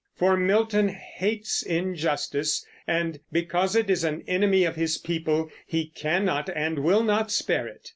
For Milton hates injustice and, because it is an enemy of his people, he cannot and will not spare it.